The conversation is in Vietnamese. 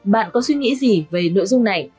bạn có suy nghĩ gì về nội dung này